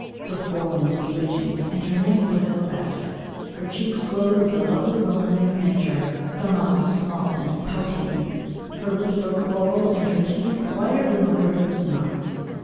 Her form was bewitching, and her neck was alabaster. Her cheeks glowed with the lovely vermilion of nature, her mouth was small and pouting, her lips were coral, and her teeth whiter than the driven snow.